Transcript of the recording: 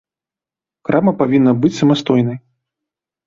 Крама павінна быць самастойнай.